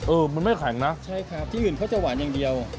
เออมันไม่แข็งนะใช่ครับที่อื่นเขาจะหวานอย่างเดียว